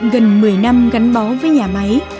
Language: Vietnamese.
gần một mươi năm gắn bó với nhà máy